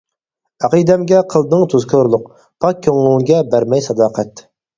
ئەقىدەمگە قىلدىڭ تۇزكورلۇق، پاك كۆڭۈلگە بەرمەي ساداقەت.